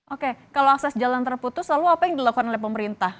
oke kalau akses jalan terputus lalu apa yang dilakukan oleh pemerintah